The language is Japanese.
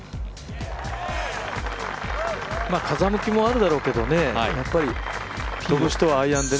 風向きもあるだろうけどね、やっぱり飛ぶ人はアイアンで。